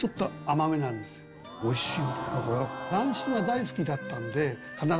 おいしい。